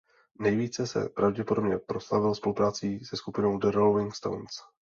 Nejvíce se pravděpodobně proslavil spoluprací se skupinou The Rolling Stones.